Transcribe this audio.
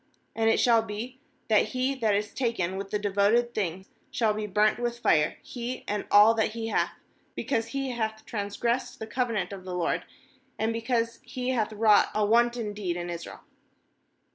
15And it shall be that he that is taken with the devoted thing shall be burnt with fire, he and all that he hath; because he hath transgressed the covenant of the LORD, and because he hath wrought a wan ton deed in Israel.'